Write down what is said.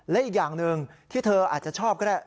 และอีกอย่างหนึ่งที่เธออาจจะชอบก็ได้